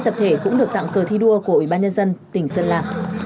hai tập thể cũng được tặng cơ thi đua của ủy ban nhân dân tỉnh sơn la